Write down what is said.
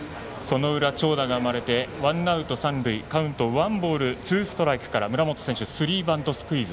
その裏に長打が生まれてワンアウト、三塁カウント、ワンボールツーストライクから村本選手がスリーバントスクイズ。